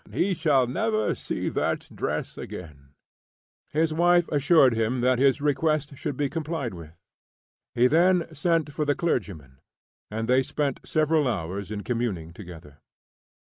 He shall never see that dress again." His wife assured him that his request should be complied with. He then sent for the clergyman, and they spent several hours in communing together.